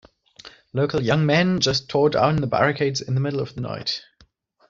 Local young men just tore down the barricades in the middle of the night.